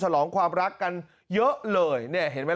แถลงการแนะนำพระมหาเทวีเจ้าแห่งเมืองทิพย์